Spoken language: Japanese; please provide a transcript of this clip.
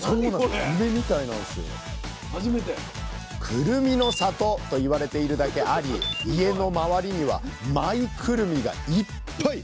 くるみの里と言われているだけあり家の周りにはマイくるみがいっぱい！